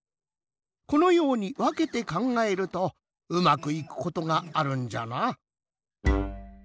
このようにわけてかんがえるとうまくいくことがあるんじゃな。